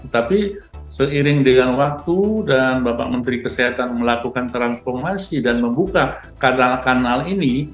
tapi seiring dengan waktu dan bapak menteri kesehatan melakukan transformasi dan membuka kanal kanal ini